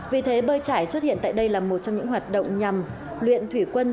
vì thế bơi trải xuất hiện tại đây là một trong những hoạt động nhằm luyện thủy quân